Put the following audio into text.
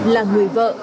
là người vợ